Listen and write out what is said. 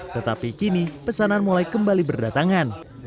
tetapi kini pesanan mulai kembali berdatangan